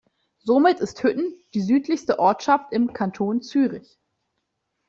Somit ist Hütten die südlichste Ortschaft im Kanton Zürich.